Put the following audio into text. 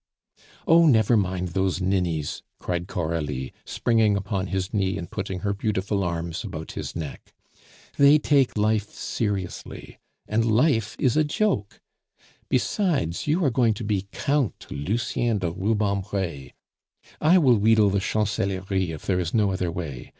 "Oh! never mind those ninnies," cried Coralie, springing upon his knee and putting her beautiful arms about his neck. "They take life seriously, and life is a joke. Besides, you are going to be Count Lucien de Rubempre. I will wheedle the Chancellerie if there is no other way.